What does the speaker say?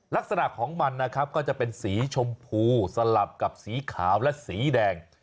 ลักษณะของมันนะครับก็จะเป็นสีชมพูสลับกับสีขาวและสีแดง